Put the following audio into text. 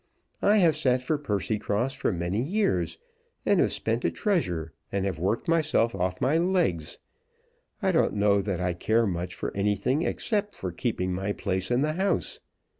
I have sat for Percycross for many years, and have spent a treasure, and have worked myself off my legs. I don't know that I care much for anything except for keeping my place in the House.